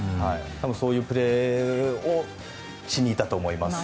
そういうプレーをしにいったと思います。